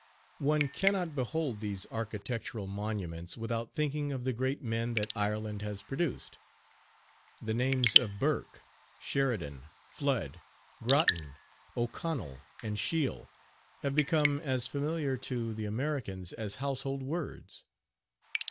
One cannot behold these architectural monuments without thinking of the great men that Ireland has produced. The names of Burke, Sheridan, Flood, Grattan, O'Connell, and Shiel, have become as familiar to the Americans as household words.